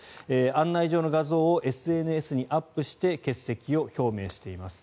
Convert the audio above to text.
案内状の画像をＳＮＳにアップして欠席を表明しています。